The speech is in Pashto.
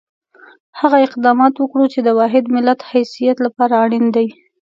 هغه اقدامات وکړو چې د واحد ملت حیثیت لپاره اړین دي.